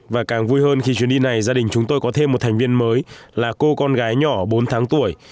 và càng vui hơn khi chuyến đi này gia đình chúng tôi có thêm một thành viên mới là cô con gái nhỏ bốn tháng tuổi